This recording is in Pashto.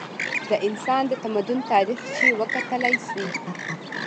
د انسان د تمدن تاریخ چې وکتلے شي